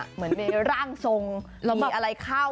เหมือนมีร่างทรงเรามีอะไรเข้า